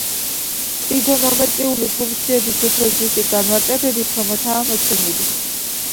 ტრიგონომეტრიული ფუნქციების უფრო ზუსტი განმარტებები ქვემოთაა მოცემული.